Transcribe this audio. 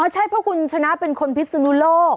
ใช่เพราะคุณชนะเป็นคนพิศนุโลก